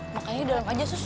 makan ini di dalam aja sus